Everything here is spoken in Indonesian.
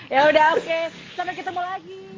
ya udah oke sampai ketemu lagi